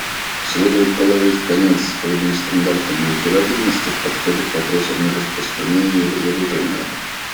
Следует положить конец двойным стандартам и избирательности в подходе к вопросам нераспространения и разоружения.